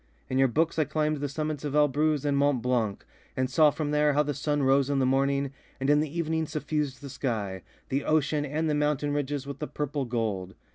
In your books I climbed the summits of Elbruz and Mont Blanc and saw from there how the sun rose in the morning, and in the evening suffused the sky, the ocean and the mountain ridges with a purple gold.